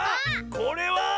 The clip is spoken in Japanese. これは！